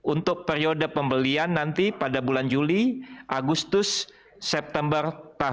untuk periode pembelian nanti pada bulan juli agustus september dua ribu dua puluh